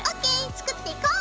作っていこう！